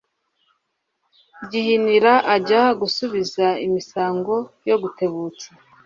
Gihinira ajya gusubiza imisango yo gutebutsa